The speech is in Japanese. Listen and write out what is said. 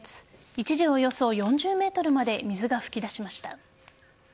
一時およそ４０ｍまで水が噴き出しました。